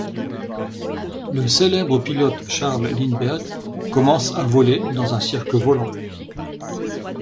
Le célèbre pilote Charles Lindbergh commence à voler dans un cirque volant.